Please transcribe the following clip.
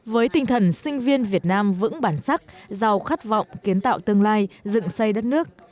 với tinh thần sinh viên việt nam vững bản sắc giàu khát vọng kiến tạo tương lai dựng xây đất nước